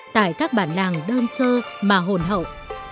tại các bản làng đơn sơ mà hồn hậu